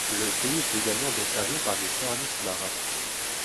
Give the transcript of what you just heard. Le pays est également desservi par des services marins.